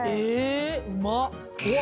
うまっ。